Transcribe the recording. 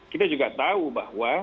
kita juga tahu bahwa